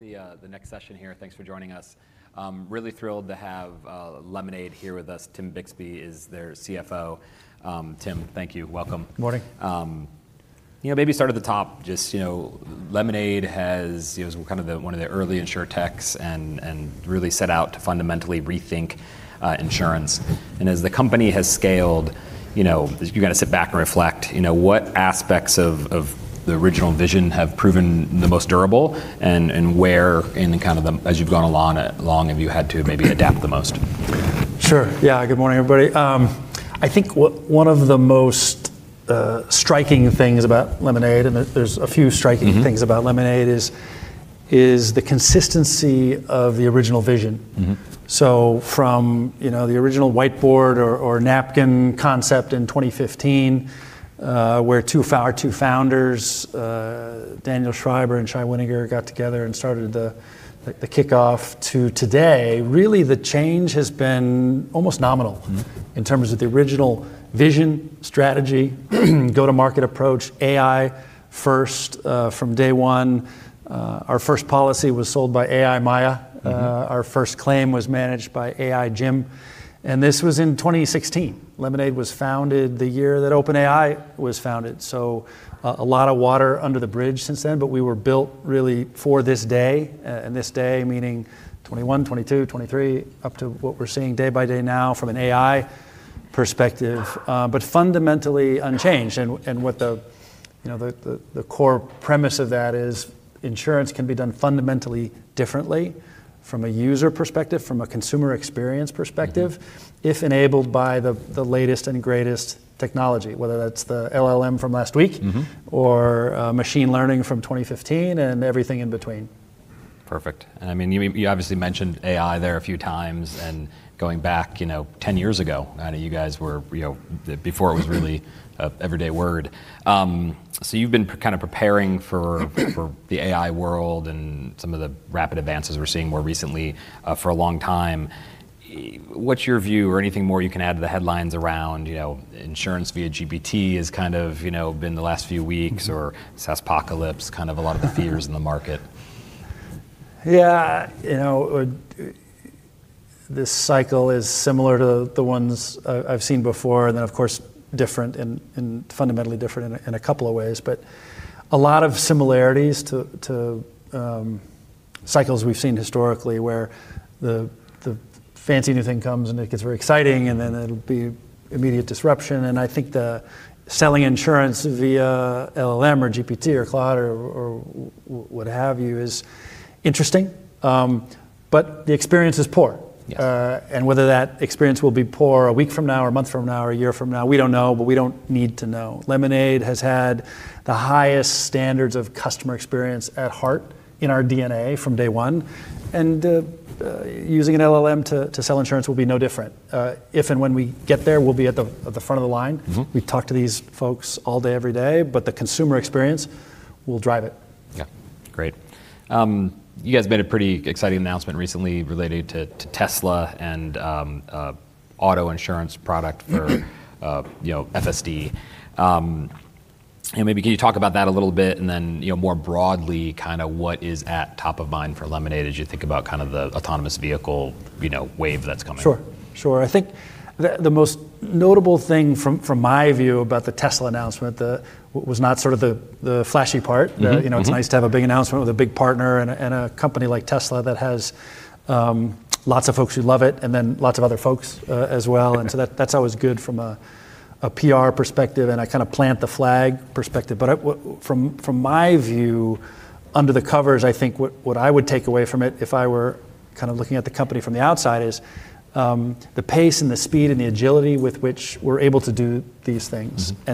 The, the next session here. Thanks for joining us. I'm really thrilled to have, Lemonade here with us. Tim Bixby is their CFO. Tim, thank you. Welcome. Morning. Maybe start at the top. Just, Lemonade has, you know, sort of one of the early insurtechs and really set out to fundamentally rethink, insurance. As the company has scaled, as you kind of sit back and reflect, what aspects of the original vision have proven the most durable and where in the kind of as you've gone along, have you had to maybe adapt the most? Sure. Good morning, everybody. one of the most striking things about Lemonade and there's a few striking. Mm-hmm Things about Lemonade is the consistency of the original vision. Mm-hmm. From, the original whiteboard or napkin concept in 2015, where our two founders, Daniel Schreiber and Shai Wininger got together and started the kickoff to today. Really the change has been almost nominal. Mm-hmm In terms of the original vision, strategy, go-to-market approach, AI first, from day one. Our first policy was sold by AI Maya. Mm-hmm. Our first claim was managed by AI Jim, and this was in 2016. Lemonade was founded the year that OpenAI was founded. A lot of water under the bridge since then, but we were built really for this day, this day meaning 2021, 2022, 2023, up to what we're seeing day by day now from an AI perspective. Fundamentally unchanged. What the core premise of that is insurance can be done fundamentally differently from a user perspective, from a consumer experience perspective. Mm-hmm If enabled by the latest and greatest technology, whether that's the LLM from last week. Mm-hmm Machine learning from 2015 and everything in between. Perfect. you obviously mentioned AI there a few times, and going back, 10 years ago, I know you guys were, you know, before it was really a everyday word. You've been kind of preparing for the AI world and some of the rapid advances we're seeing more recently for a long time. What's your view or anything more you can add to the headlines around, insurance via GPT has kind of been the last few weeks or SaaSpocalypse, kind of a lot of the fears in the market? This cycle is similar to the ones I've seen before, of course different and fundamentally different in a couple of ways. A lot of similarities to cycles we've seen historically where the fancy new thing comes and it gets very exciting and then it'll be immediate disruption. The selling insurance via LLM or GPT or Claude or what have you is interesting, but the experience is poor. Yes. Whether that experience will be poor a week from now or a month from now or a year from now, we don't need to know. Lemonade has had the highest standards of customer experience at heart in our DNA from day one. Using an LLM to sell insurance will be no different. If and when we get there, we'll be at the front of the line. Mm-hmm. We talk to these folks all day, every day, but the consumer experience will drive it. Great. you guys made a pretty exciting announcement recently related to Tesla and, auto insurance product, FSD. Maybe can you talk about that a little bit and then, more broadly kinda what is at top of mind for Lemonade as you think about kind of the autonomous vehicle, wave that's coming? Sure. The most notable thing from my view about the Tesla announcement was not sort of the flashy part. Mm-hmm. It's nice to have a big announcement with a big partner and a, and a company like Tesla that has lots of folks who love it and then lots of other folks as well. That, that's always good from a PR perspective, and a kind of plant the flag perspective. From, from my view, under the covers, I think what I would take away from it if I were kind of looking at the company from the outside is the pace and the speed and the agility with which we're able to do these things. Mm-hmm.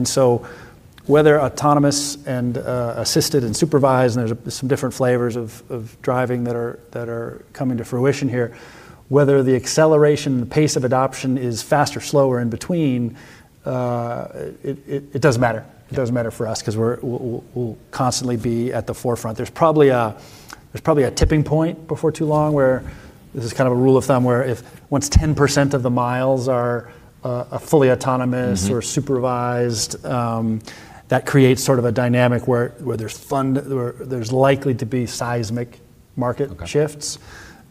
Whether autonomous and assisted and supervised, and there's some different flavors of driving that are coming to fruition here, whether the acceleration and the pace of adoption is fast or slow or in between, it doesn't matter. It doesn't matter for us 'cause we're, we'll constantly be at the forefront. There's probably a tipping point before too long where this is kind of a rule of thumb where if once 10% of the miles are fully autonomous. Mm-hmm Supervised, that creates sort of a dynamic where there's likely to be seismic market. Okay Shifts.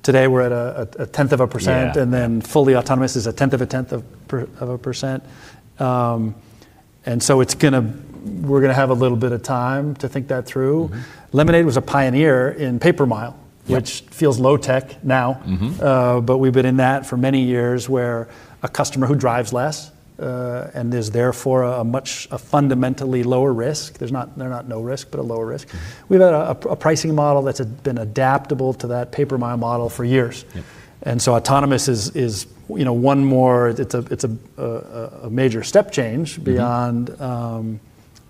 Today, we're at a tenth of a percent. Yeah. Fully autonomous is a tenth of a tenth of a %. So we're going to have a little bit of time to think that through. Mm-hmm. Lemonade was a pioneer in pay-per-mile. Yeah .Which feels low tech now. Mm-hmm. We've been in that for many years, where a customer who drives less, and is therefore a much, a fundamentally lower risk. They're not no risk, but a lower risk. Mm-hmm. We've had a pricing model that's been adaptable to that pay-per-mile model for years. Yeah. Autonomous is, It's a major step change. Mm-hmm Beyond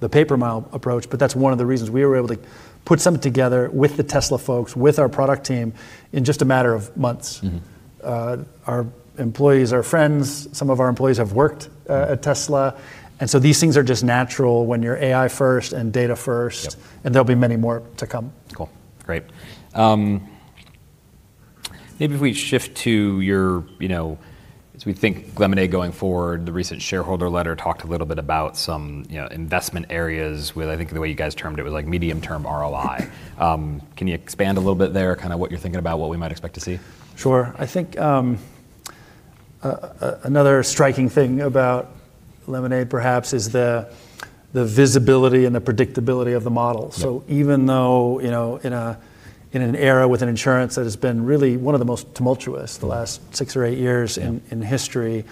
the pay-per-mile approach, but that's one of the reasons we were able to put something together with the Tesla folks, with our product team in just a matter of months. Mm-hmm. Our employees are friends. Some of our employees have worked at Tesla. These things are just natural when you're AI first and data first. Yes. There'll be many more to come. Cool. Great. Maybe if we shift to your, you know, as we think Lemonade going forward, the recent shareholder letter talked a little bit about some, investment areas with, I think the way you guys termed it was like medium term ROI. Mm-hmm. Can you expand a little bit there, kind of what you're thinking about, what we might expect to see? Sure. I think, another striking thing about Lemonade perhaps is the visibility and the predictability of the model. Yeah. Even though, in an era within insurance that has been really one of the most tumultuous-. Mm The last six or eight years in history,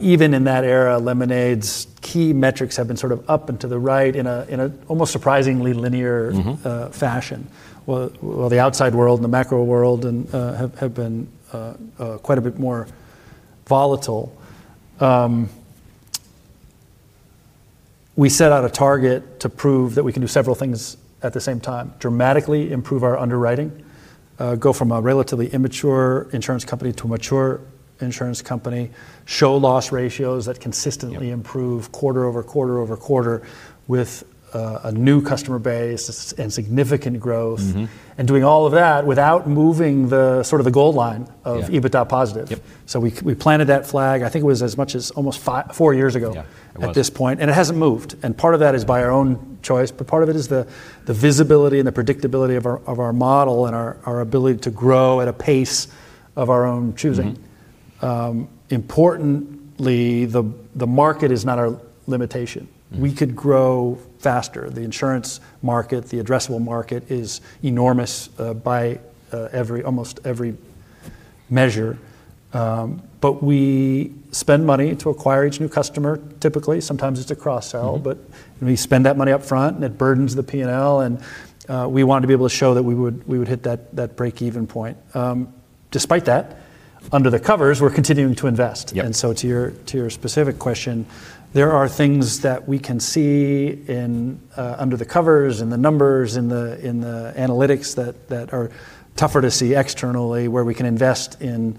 even in that era, Lemonade's key metrics have been sort of up and to the right in a almost surprisingly linear. Mm-hmm Fashion. While the outside world and the macro world and have been quite a bit more volatile. We set out a target to prove that we can do several things at the same time: dramatically improve our underwriting, go from a relatively immature insurance company to a mature insurance company, show loss ratios that consistently- Yeah Improve quarter-over-quarter-over-quarter with a new customer base and significant growth. Mm-hmm. Doing all of that without moving the sort of the goal line of. Yeah EBITDA positive. Yes. we planted that flag, I think it was as much as almost four years ago. Yeah, it was. At this point, and it hasn't moved. Part of that is by our own choice, but part of it is the visibility and the predictability of our model and our ability to grow at a pace of our own choosing. Mm-hmm. Importantly, the market is not our limitation. Mm. We could grow faster. The insurance market, the addressable market is enormous, by every, almost every measure. We spend money to acquire each new customer, typically. Sometimes it's a cross-sell. Mm-hmm. We spend that money up front, and it burdens the P&L, and we wanted to be able to show that we would hit that breakeven point. Despite that, under the covers, we're continuing to invest. Yes. To your specific question, there are things that we can see in under the covers, in the numbers, in the analytics that are tougher to see externally, where we can invest in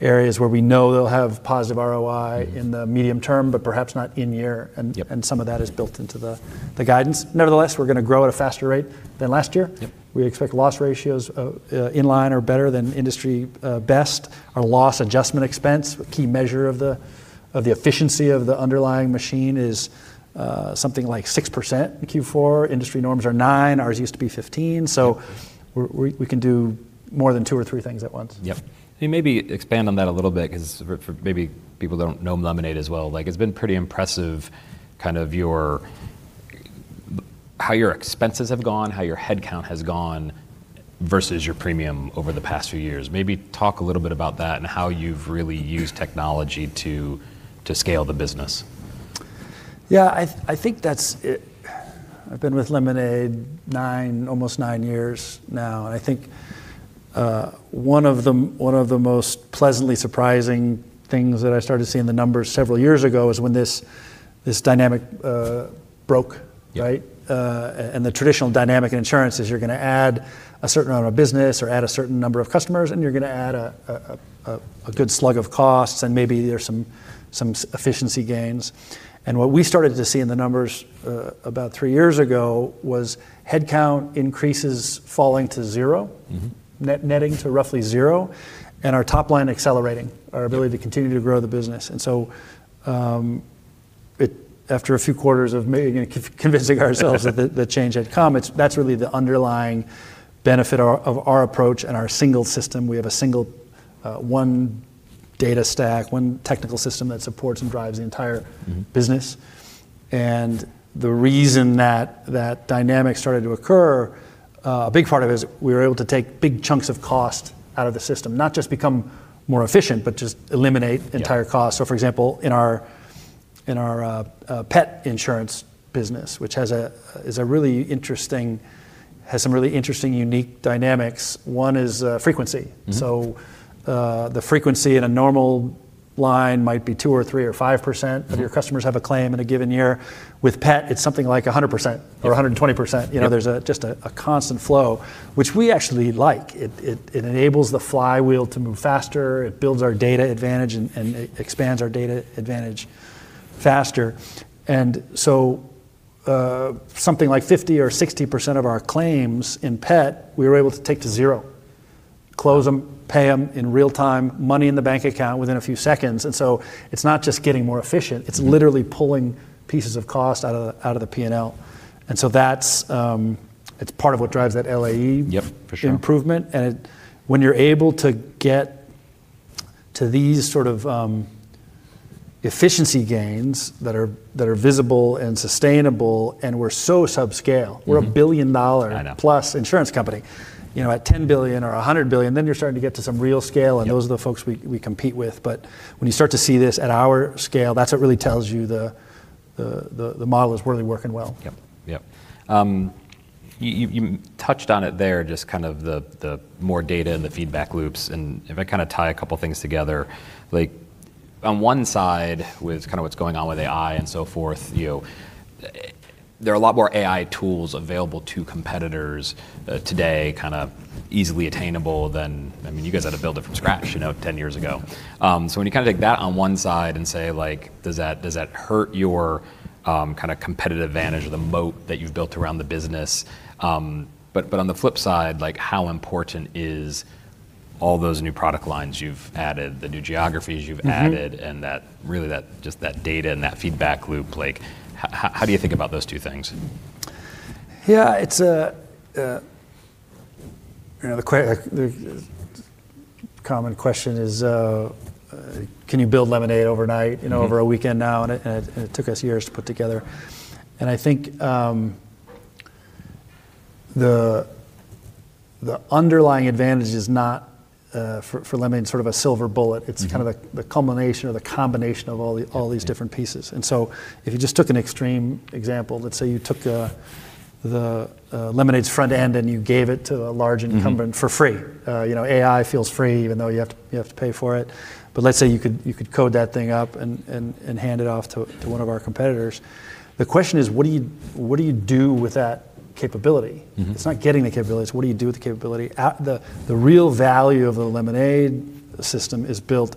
areas where we know they'll have positive ROI. Mm In the medium term, but perhaps not in year. Yes. Some of that is built into the guidance. Nevertheless, we're going to grow at a faster rate than last year. Yes. We expect loss ratios, in line or better than industry best. Our loss adjustment expense, a key measure of the efficiency of the underlying machine, is something like 6% in Q4. Industry norms are 9%, ours used to be 15%. Yeah. We can do more than two or three things at once. Yes. Can you maybe expand on that a little bit? 'Cause for maybe people who don't know Lemonade as well, like, it's been pretty impressive kind of your how your expenses have gone, how your head count has gone versus your premium over the past few years. Maybe talk a little bit about that and how you've really used technology to scale the business. That's it. I've been with Lemonade nine, almost nine years now, I think, one of the most pleasantly surprising things that I started seeing the numbers several years ago is when this dynamic broke, right? Yeah. The traditional dynamic in insurance is you're gonna add a certain amount of business or add a certain number of customers, and you're gonna add a good slug of costs, and maybe there's some efficiency gains. What we started to see in the numbers about three years ago was head count increases falling to zero. Mm-hmm. Netting to roughly zero, our top line accelerating, our ability to continue to grow the business. After a few quarters of you know, convincing ourselves that the change had come, that's really the underlying benefit of our approach and our single system. We have a single, one data stack, one technical system that supports and drives the entire- Mm-hmm Business. The reason that that dynamic started to occur, a big part of it is we were able to take big chunks of cost out of the system. Not just become more efficient, but just eliminate entire costs. Yeah. For example, in our pet insurance business, has some really interesting, unique dynamics. One is frequency. Mm-hmm. The frequency in a normal line might be 2 or 3 or 5%. Mm Of your customers have a claim in a given year. With pet, it's something like 100%- Yeah or 120%. Yes. There's just a constant flow, which we actually like. It enables the flywheel to move faster. It builds our data advantage and it expands our data advantage faster. Something like 50% or 60% of our claims in pet, we were able to take to zero. Close them, pay them in real time, money in the bank account within a few seconds. It's not just getting more efficient. Mm-hmm It's literally pulling pieces of cost out of the, out of the P&L. it's part of what drives that LAE- Yes, for sure. Improvement. When you're able to get to these sort of, efficiency gains that are visible and sustainable, we're so subscale. Mm-hmm. We're a billion dollar- I know. Plus insurance company. You know, at $10 billion or $100 billion, then you're starting to get to some real scale. yes. Those are the folks we compete with. But when you start to see this at our scale, that's what really tells you the model is really working well. Yes, You touched on it there, just kind of the more data and the feedback loops, and if I kinda tie a couple things together. Like, on one side with kinda what's going on with AI and so forth, you know, there are a lot more AI tools available to competitors, today, kinda easily attainable tha. I mean, you guys had to build it from scratch- Yeah 10 years ago. When you kinda take that on one side and say, like, does that hurt your kinda competitive advantage or the moat that you've built around the business? But on the flip side, like, how important is all those new product lines you've added, the new geographies you've added? Mm-hmm. That really that just that data and that feedback loop, like how do you think about those two things? It's a like the common question is, can you build Lemonade overnight. Mm-hmm. Over a weekend now? It took us years to put together. I think, the underlying advantage is not for Lemonade sort of a silver bullet. Mm-hmm. It's kind of like the culmination or the combination of all the. Yeah. All these different pieces. If you just took an extreme example, let's say you took Lemonade's front end and you gave it to a large incumbent- Mm-hmm. For free. You know, AI feels free even though you have to pay for it. Let's say you could code that thing up and hand it off to one of our competitors. The question is, what do you do with that capability? Mm-hmm. It's not getting the capabilities, what do you do with the capability? The real value of the Lemonade system is built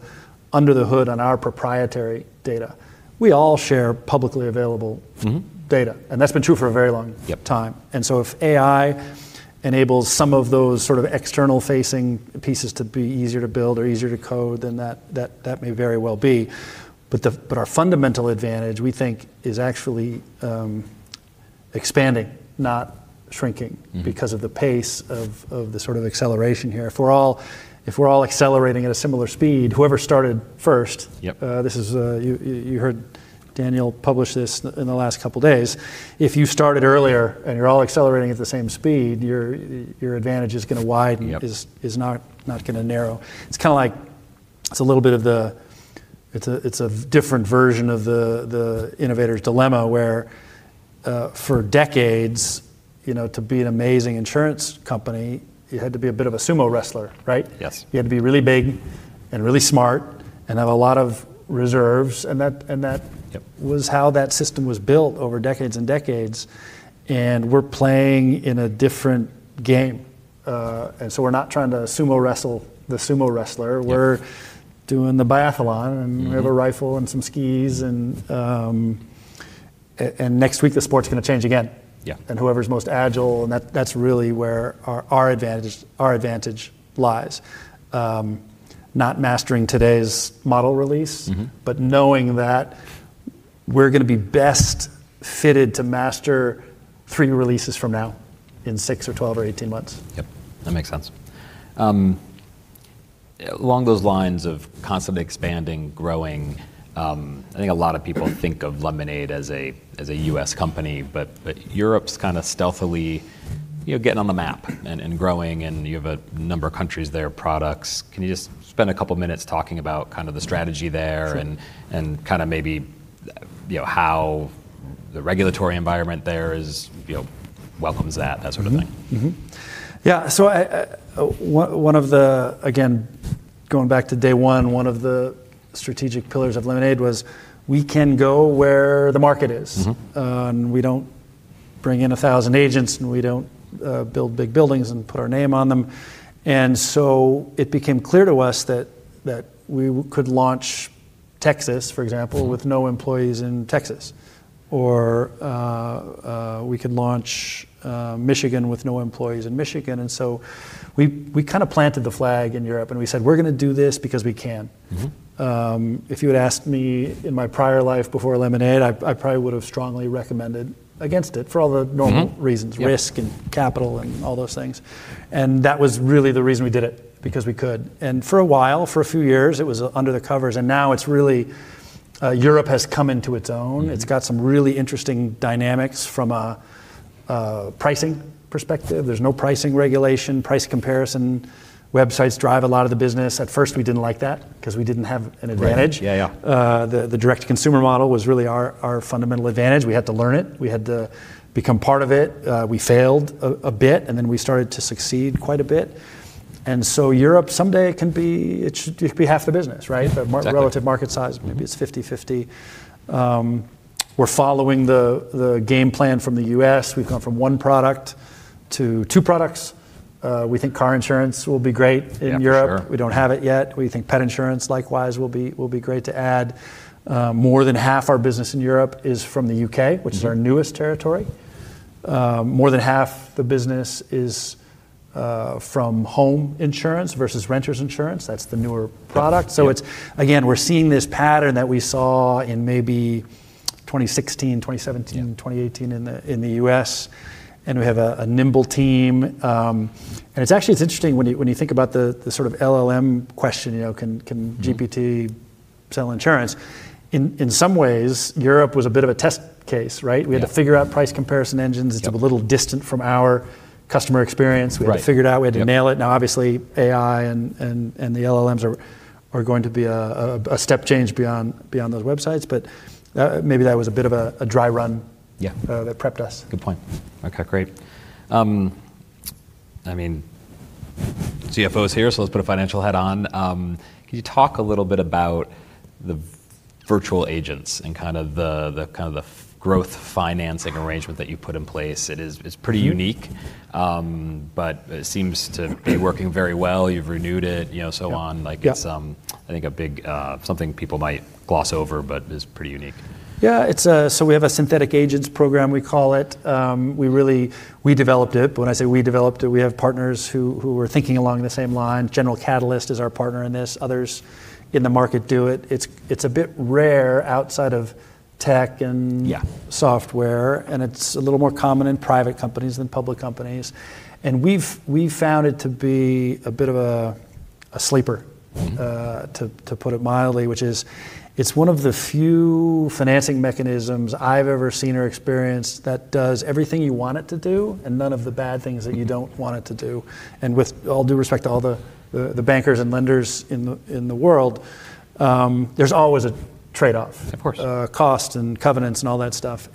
under the hood on our proprietary data. We all share publicly available- Mm-hmm. Data, and that's been true for a very long- Yes. Time. If AI enables some of those sort of external facing pieces to be easier to build or easier to code, then that may very well be. The, but our fundamental advantage, we think, is actually expanding, not shrinking. Mm-hmm. Because of the pace of the sort of acceleration here. If we're all accelerating at a similar speed, whoever started first- Yes. You heard Daniel publish this in the last couple days. If you started earlier and you're all accelerating at the same speed, your advantage is gonna widen. Yes. Is not going to narrow. It's kind of like it's a little bit of the. It's a different version of The Innovator's Dilemma, where, for decades, you know, to be an amazing insurance company, you had to be a bit of a sumo wrestler, right? Yes. You had to be really big and really smart and have a lot of reserves, and that. Yep. -was how that system was built over decades and decades. We're playing in a different game. We're not trying to sumo wrestle the sumo wrestler. Yep. We're doing the biathlon. Mm-hmm. We have a rifle and some skis and next week the sport's gonna change again. Yeah. whoever's most agile, and that's really where our advantage lies. not mastering today's model release- Mm-hmm. Knowing that we're gonna be best fitted to master three releases from now in six or 12 or 18 months. Yep, that makes sense. Along those lines of constantly expanding, growing, I think a lot of people think of Lemonade as a, as a U.S. company, but Europe's kinda stealthily, you know, getting on the map and growing, and you have a number of countries there, products. Can you just spend a couple minutes talking about kind of the strategy there? Sure. kinda maybe, you know, how the regulatory environment there is, you know, welcomes that sort of thing? Mm-hmm. Mm-hmm. Yeah. Again, going back to day one of the strategic pillars of Lemonade was we can go where the market is. Mm-hmm. We don't bring in 1,000 agents, and we don't build big buildings and put our name on them. It became clear to us that we could launch Texas, for example. Mm. -with no employees in Texas, or, we could launch Michigan with no employees in Michigan. We kinda planted the flag in Europe and we said, "We're gonna do this because we can. Mm-hmm. If you had asked me in my prior life before Lemonade, I probably would have strongly recommended against it for all the normal. Mm-hmm. -reasons. Yep. Risk and capital and all those things. That was really the reason we did it, because we could. For a while, for a few years, it was under the covers, and now it's really, Europe has come into its own. Mm-hmm. It's got some really interesting dynamics from a pricing perspective. There's no pricing regulation. price comparison websites drive a lot of the business. At first, we didn't like that 'cause we didn't have an advantage. Right. Yeah, yeah. The direct consumer model was really our fundamental advantage. We had to learn it. We had to become part of it. We failed a bit, then we started to succeed quite a bit. Europe someday can be. It could be half the business, right? Exactly. The relative market size, maybe it's 50/50. We're following the game plan from the US. We've gone from one product to two products. We think car insurance will be great in Europe. Yeah, for sure. We don't have it yet. We think pet insurance likewise will be great to add. More than half our business in Europe is from the U.K.- Mm-hmm. which is our newest territory. More than half the business is from home insurance versus renters insurance. That's the newer product. Yeah. Again, we're seeing this pattern that we saw in maybe 2016, 2017. Yeah. 2018 in the, in the U.S., we have a nimble team. It's actually interesting when you, when you think about the sort of LLM question, you know? Mm-hmm. GPT sell insurance? In some ways, Europe was a bit of a test case, right? Yeah. We had to figure out price comparison engines. Yep. It's a little distant from our customer experience. Right. We had to figure it out. Yep. We had to nail it. Obviously, AI and the LLMs are going to be a step change beyond those websites. Maybe that was a bit of a dry run. Yeah. - that prepped us. Good point. Okay, great. I mean, CFO's here, so let's put a financial hat on. can you talk a little bit about the virtual agents and kind of the kind of the growth financing arrangement that you put in place? It is. It's pretty. Mm-hmm. unique, but it seems to be working very well. You've renewed it, you know, so on. Yep. Like it's, I think a big, something people might gloss over but is pretty unique. It's a Synthetic Agents program, we call it. We really, we developed it. When I say we developed it, we have partners who were thinking along the same line. General Catalyst is our partner in this. Others in the market do it. It's a bit rare outside of tech. Yeah Software, It's a little more common in private companies than public companies. We've found it to be a bit of a sleeper, to put it mildly, which is, it's one of the few financing mechanisms I've ever seen or experienced that does everything you want it to do and none of the bad things that you don't want it to do. With all due respect to all the bankers and lenders in the world, there's always a trade-off. Of course. Cost and covenants and all that stuff.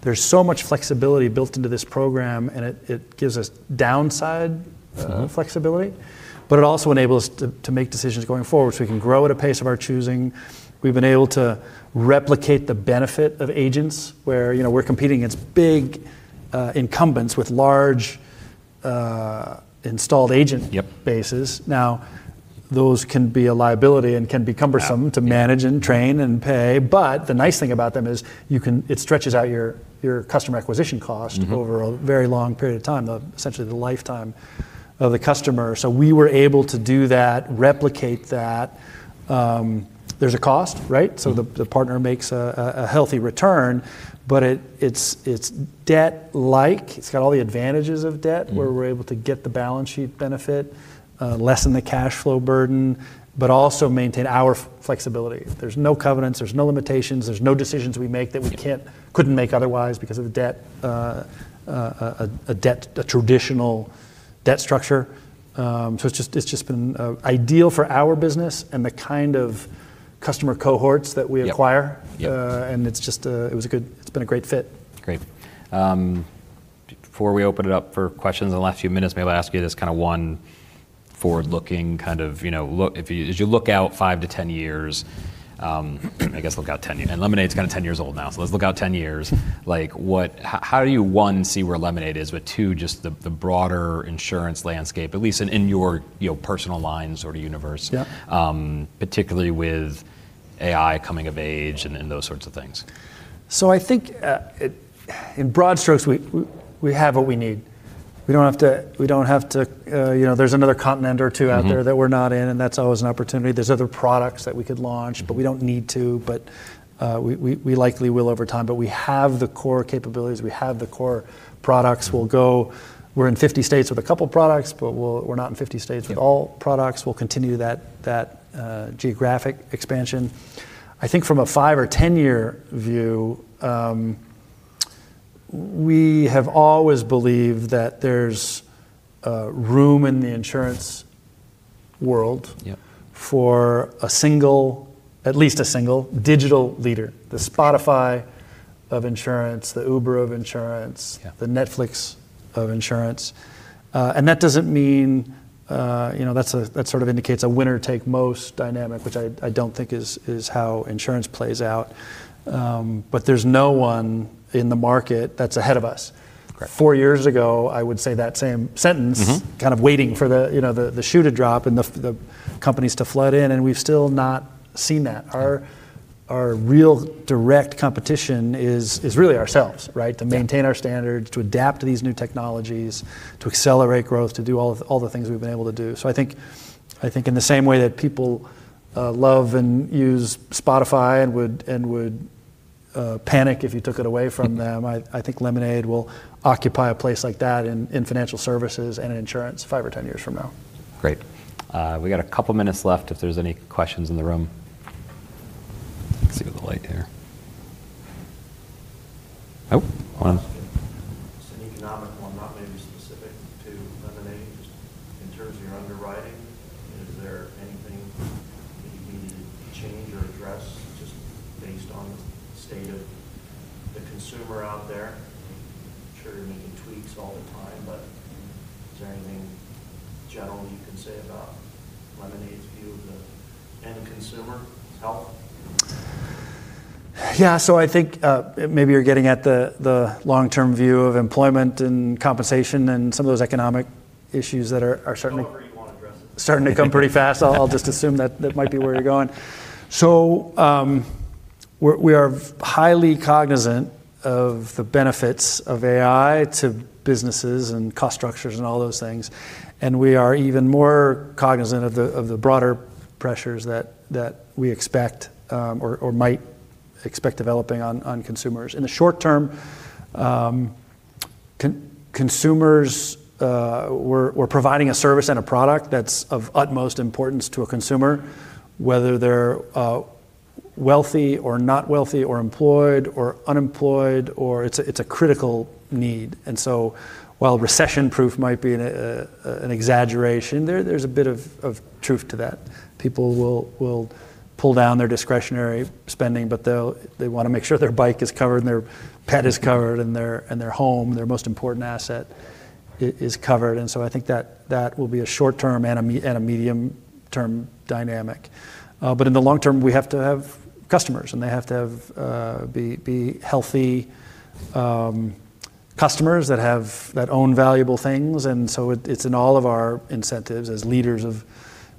There's so much flexibility built into this program, and it gives us downside- Mm-hmm Flexibility, but it also enables us to make decisions going forward so we can grow at a pace of our choosing. We've been able to replicate the benefit of agents, where, you know, we're competing against big incumbents with large installed. Yes Bases. Those can be a liability and can be cumbersome Yeah To manage and train and pay. The nice thing about them is you can. it stretches out your customer acquisition cost. Mm-hmm Over a very long period of time, the, essentially the lifetime of the customer. We were able to do that, replicate that. There's a cost, right? Mm-hmm. The partner makes a healthy return, but it's debt-like. It's got all the advantages of debt. Mm-hmm Where we're able to get the balance sheet benefit, lessen the cash flow burden, but also maintain our flexibility. There's no covenants, there's no limitations, there's no decisions we make that we can't, couldn't make otherwise because of the debt, a traditional debt structure. It's just been ideal for our business and the kind of customer cohorts that we acquire. Yes. It's been a great fit. Great. Before we open it up for questions in the last few minutes, may I ask you this kind of 1 forward-looking, kind of, you know, if you, as you look out 5 to 10 years. I guess look out 10 years, and Lemonade's kind of 10 years old now, so let's look out 10 years. Like, what how do you, 1, see where Lemonade is, but 2, just the broader insurance landscape, at least in your, you know, personal line sort of universe? Yeah Particularly with AI coming of age and those sorts of things? I think, in broad strokes, we have what we need. We don't have to, we don't have to, you know, there's another continent or two out there. Mm-hmm That we're not in, and that's always an opportunity. There's other products that we could launch- Mm-hmm We don't need to. We likely will over time. We have the core capabilities. We have the core products. Mm-hmm. We're in 50 states with a couple products, but we're not in 50 states with all products. Yeah. We'll continue that geographic expansion. I think from a 5- or 10-year view, we have always believed that there's room in the insurance world. Yep For a single, at least a single, digital leader, the Spotify of insurance, the Uber of insurance. Yeah The Netflix of insurance. That doesn't mean, you know, that sort of indicates a winner-take-most dynamic, which I don't think is how insurance plays out. There's no one in the market that's ahead of us. Correct. Four years ago, I would say that same sentence. Mm-hmm Kind of waiting for the, you know, the shoe to drop and the companies to flood in, and we've still not seen that. Yeah. Our real direct competition is really ourselves, right? Yeah. To maintain our standards, to adapt to these new technologies, to accelerate growth, to do all the things we've been able to do. I think in the same way that people love and use Spotify and would panic if you took it away from them. I think Lemonade will occupy a place like that in financial services and in insurance 5 or 10 years from now. Great. We got a couple minutes left if there's any questions in the room. Let's see with the light here. One. Just an economic one, not maybe specific to Lemonade. Just in terms of your underwriting, is there anything that you need to change or address just based on the state of the consumer out there? I'm sure you're making tweaks all the time, but is there anything general you can say about Lemonade's view of the end consumer health? Maybe you're getting at the long-term view of employment and compensation and some of those economic issues that are certainly. However you wanna address it. Starting to come pretty fast. I'll just assume that that might be where you're going. we're highly cognizant of the benefits of AI to businesses and cost structures and all those things, and we are even more cognizant of the broader pressures that we expect or might expect developing on consumers. In the short term, consumers, we're providing a service and a product that's of utmost importance to a consumer, whether they're wealthy or not wealthy or employed or unemployed or. It's a critical need. While recession-proof might be an exaggeration, there's a bit of truth to that. People will pull down their discretionary spending, but they wanna make sure their bike is covered and their pet is covered and their, and their home, their most important asset is covered. I think that will be a short-term and a medium-term dynamic. But in the long term, we have to have customers, and they have to be healthy customers that have, that own valuable things. It's in all of our incentives as leaders of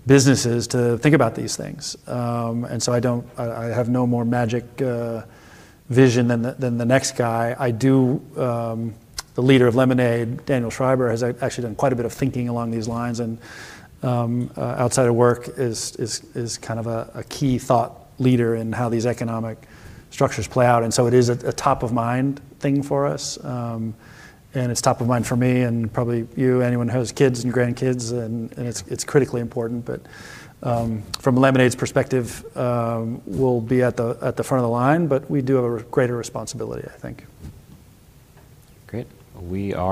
businesses to think about these things. I don't I have no more magic vision than the, than the next guy. I do, the leader of Lemonade, Daniel Schreiber, has actually done quite a bit of thinking along these lines and outside of work is kind of a key thought leader in how these economic structures play out. It is a top-of-mind thing for us. It's top of mind for me and probably you, anyone who has kids and grandkids, and it's critically important. From Lemonade's perspective, we'll be at the front of the line, but we do have a greater responsibility, I think. Great. We are